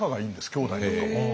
きょうだいとかも。